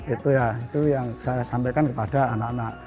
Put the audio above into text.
itu ya itu yang saya sampaikan kepada anak anak